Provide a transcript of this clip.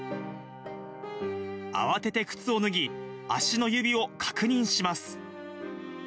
慌てて靴を脱ぎ、足の指を確認します。